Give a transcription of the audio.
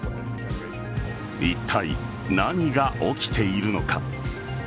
いったい何が起きているのか。